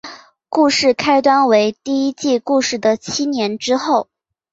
故事开端为第一季故事的七年之后。